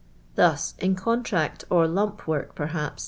Thus, in cntrait or l imp work, p rhan*.